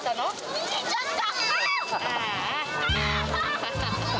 逃げちゃった。